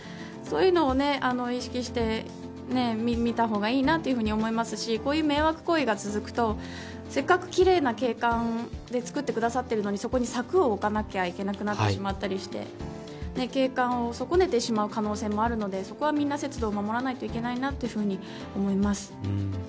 そういうのを意識して見た方がいいなと思いますしこういう迷惑行為が続くとせっかく、きれいな景観で作ってくださっているのにそこに柵を設けなければいけなくなってしまったりして景観を損ねてしまう可能性もあるので、そこは皆節度を守らないといけないなというふうに思います。